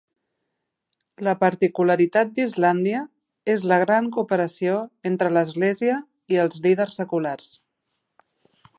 La particularitat d'Islàndia és la gran cooperació entre l'Església i els líders seculars.